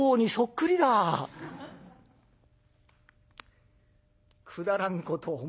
「くだらんことを申すな。